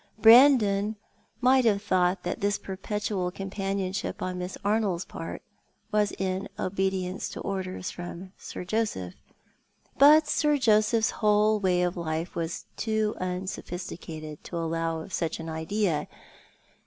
Brandon might have thought that this perpetual companionship on Miss Arnold's part was in obedience to orders from Sir Joseph ; but Sir Joseph's whole way of life was too unsoiDhisticated to allow of such an idea.